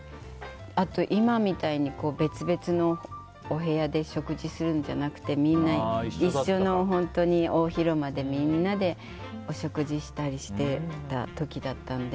今みたいに別々のお部屋で食事するんじゃなくてみんな一緒の大広間でみんなでお食事したりしてた時があったので。